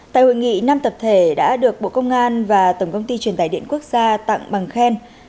tại hội nghị năm tập thể đã được bộ công an và tổng công ty truyền tài điện quốc gia tặng bằng khen